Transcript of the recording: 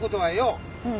うん。